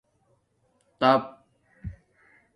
ڎیپ